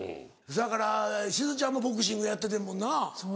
だからしずちゃんもボクシングやっててんもんなぁ？